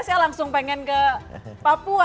saya langsung pengen ke papua